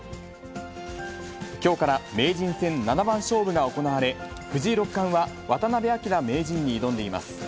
きょうから名人戦七番勝負が行われ、藤井六冠は、渡辺明名人に挑んでいます。